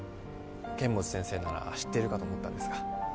剣持先生なら知っているかと思ったんですが。